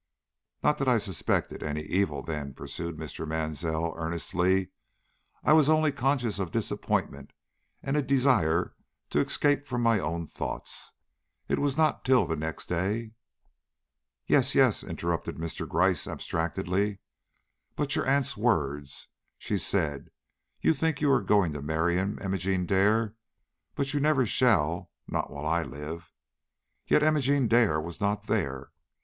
"Not that I suspected any evil then," pursued Mr. Mansell, earnestly. "I was only conscious of disappointment and a desire to escape from my own thoughts. It was not till next day " "Yes yes," interrupted Mr. Gryce, abstractedly, "but your aunt's words! She said: 'You think you are going to marry him, Imogene Dare; but you never shall, not while I live.' Yet Imogene Dare was not there.